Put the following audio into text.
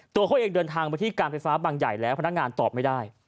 ตัวเขาเองเดินทางไปที่การไฟฟ้าบางใหญ่แล้วพนักงานตอบไม่ได้